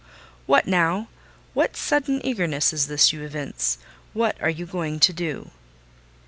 "What now? What sudden eagerness is this you evince? What are you going to do?"